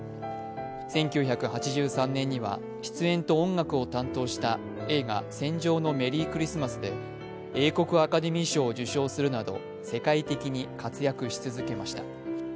１９８３年には出演と音楽を担当した映画「戦場のメリークリスマス」で英国アカデミー賞を受賞するなど世界的に活躍し続けました。